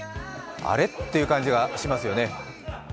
あれ？っていう感じがしますよね。